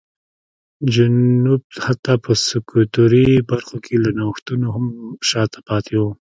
جنوب حتی په سکتوري برخو کې له نوښتونو هم شا ته پاتې و.